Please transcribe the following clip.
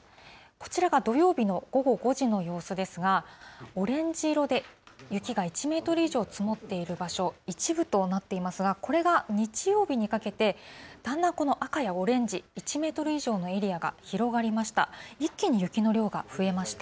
こちらが土曜日の午後５時の様子ですが、オレンジ色で、雪が１メートル以上積もっている場所、一部となっていますが、これが日曜日にかけて、だんだん赤やオレンジ、１メートル以上のエリアが広がりました。